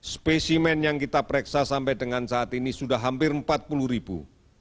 spesimen yang kita pereksa sampai dengan saat ini sudah hampir empat puluh ribu